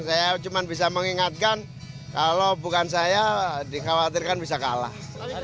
saya cuma bisa mengingatkan kalau bukan saya dikhawatirkan bisa kalah